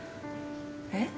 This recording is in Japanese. えっ？